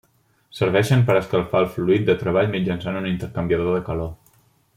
Serveixen per escalfar al fluid de treball mitjançant un intercanviador de calor.